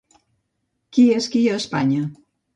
Qui és qui a Espanya.